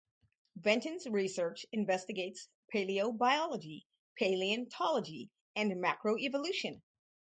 Benton's research investigates palaeobiology, palaeontology, and macroevolution.